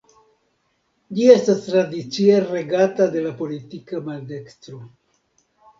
Ĝi estas tradicie regata de la politika maldekstro.